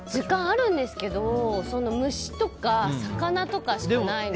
あるんですけど虫とか魚とかしかないですね。